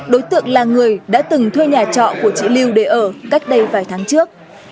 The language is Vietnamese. đối tượng là người đã từng thuê nhà trọ của chị lưu để ở cách đây vài tháng trước